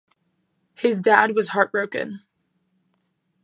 His dad was heartbroken.